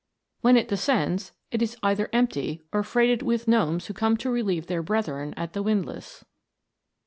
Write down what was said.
When it descends, it is either empty or freighted with gnomes who come to relieve their brethren at the windlass.